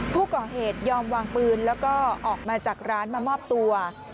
ผู้ก่อเหตุยอมวางปืนแล้วก็ออกมาจากร้านมามอบตัว